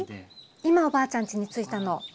今おばあちゃんちについたの。